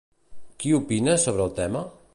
Qui opina sobre el tema?